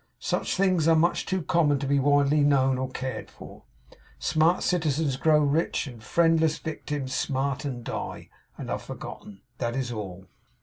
Such things are much too common to be widely known or cared for. Smart citizens grow rich, and friendless victims smart and die, and are forgotten. That is all.